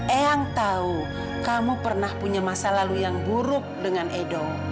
eyang tahu kamu pernah punya masa lalu yang buruk dengan edo